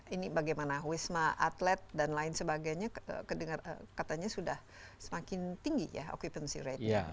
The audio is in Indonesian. ini bagaimana wisma atlet dan lain sebagainya katanya sudah semakin tinggi ya occupancy rate